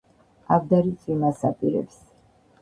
ავდარი წვიმას აპირებს.